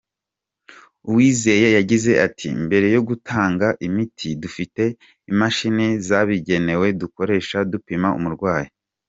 Uwizeye yagize ati “ Mbere yo gutanga imiti ,dufite imashini zabigenewe dukoresha dupima umurwayi.